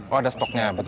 oh ada stoknya begitu